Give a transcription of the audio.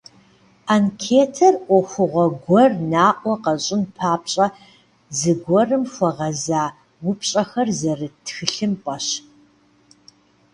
Анкетэр ӏуэхугъуэ гуэр наӏуэ къэщӏын папщӏэ зыгуэрым хуэгъэза упщӏэхэр зэрыт тхылъымпӏэщ.